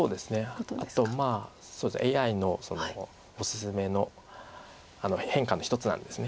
あとまあＡＩのおすすめの変化の一つなんです。